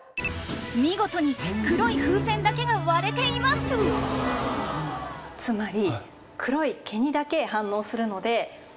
見事に黒い風船だけが割れていますつまり。